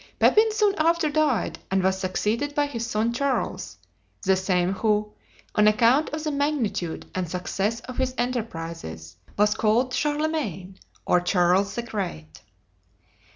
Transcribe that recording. Pepin soon after died, and was succeeded by his son Charles, the same who, on account of the magnitude and success of his enterprises, was called Charlemagne, or Charles the Great.